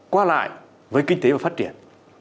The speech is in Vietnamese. qua lại với kinh tế và phát triển